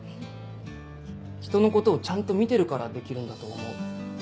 人のことをちゃんと見てるからできるんだと思う。